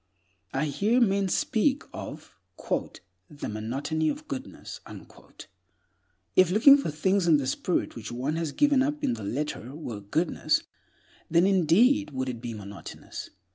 I hear men speak of the "monotony of goodness." If looking for things in the spirit which one has given up in the letter were "goodness," then indeed would it be monotonous.